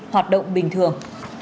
hoạt động bình thường